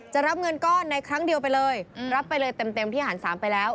จะรับเงินก้อนในครั้งเดียวไปเลยรับไปเลยเต็มที่หาร๓ไปแล้ว